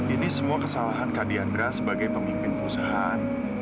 ini semua kesalahan kak diandra sebagai pemimpin perusahaan